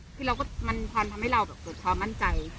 พี่เราก็มันควรทำให้เราตรงความมั่นใจ